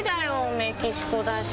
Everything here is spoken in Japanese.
メキシコだし。